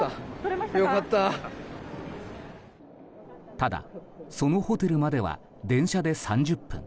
ただ、そのホテルまでは電車で３０分。